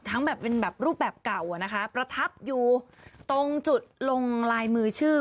แบบเป็นแบบรูปแบบเก่าอะนะคะประทับอยู่ตรงจุดลงลายมือชื่อ